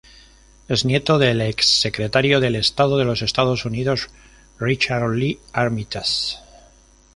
Es nieto del ex-secretario del Estado de los Estados Unidos, Richard Lee Armitage.